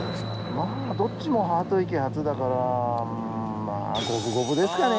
まぁどっちもハート池初だからまぁ五分五分ですかね。